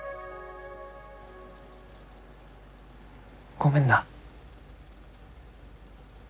ごめんな。